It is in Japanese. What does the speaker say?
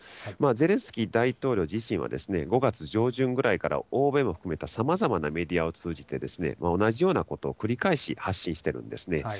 ゼレンスキー大統領自身は、５月上旬ぐらいから欧米も含めたさまざまなメディアを通じて、同じようなことを繰り返し発信しているんですね。